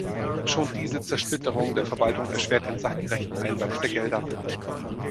Schon diese Zersplitterung der Verwaltung erschwert den sachgerechten Einsatz der Gelder.